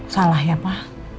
salah ya ma